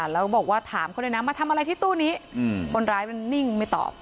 แล้วบอกว่าถามเขาด้วยนะมาทำอะไรที่ตู้นี้คนร้ายมันนิ่งไม่ตอบ